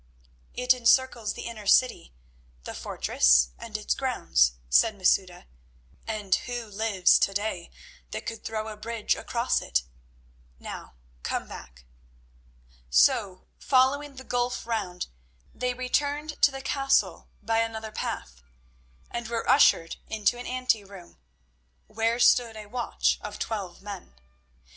"It encircles the inner city, the fortress, and its grounds," said Masouda; "and who lives to day that could throw a bridge across it? Now come back." So, following the gulf round, they returned to the castle by another path, and were ushered into an ante room, where stood a watch of twelve men.